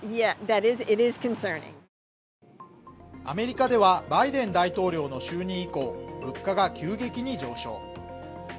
アメリカではバイデン大統領の就任以降、物価が急激に上昇。